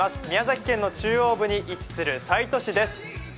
宮崎県の中央部に位置する西都市です。